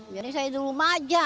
jadi saya di rumah aja